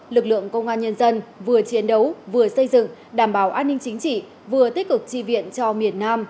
lực lượng công an nhân dân vừa chiến đấu vừa xây dựng đảm bảo an ninh chính trị vừa tích cực tri viện cho miền nam